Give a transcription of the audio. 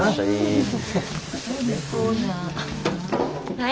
はい。